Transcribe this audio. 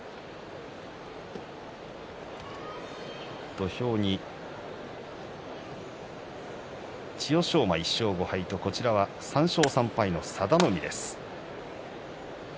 土俵に千代翔馬１勝５敗と３勝３敗の佐田の海です。